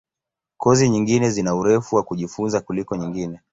Kozi nyingine zina urefu wa kujifunza kuliko nyingine.